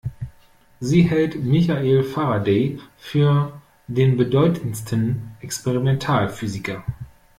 Sie hält Michael Faraday für den bedeutendsten Experimentalphysiker.